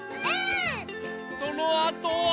そのあとは。